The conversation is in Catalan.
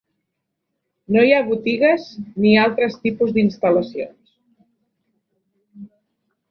No hi ha botigues ni altres tipus d'instal·lacions.